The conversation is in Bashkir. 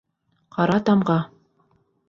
ҠАРА ТАМҒА